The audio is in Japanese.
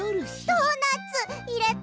ドーナツいれた！？